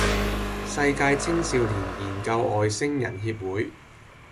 世界青少年研究外星人協會